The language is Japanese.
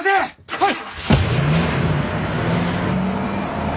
はい！